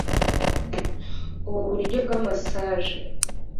Ubu buryo bwa massage